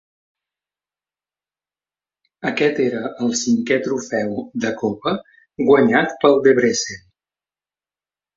Aquest era el cinquè trofeu de Copa guanyat pel Debrecen.